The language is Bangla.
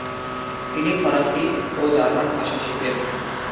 তিনি ফরাসি ও জার্মান ভাষা শেখেন।